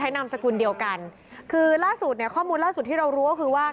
ใช้นามสกุลเดียวกันคือสุดเนี่ยข้อมูลที่เรารู้ก็คือว่า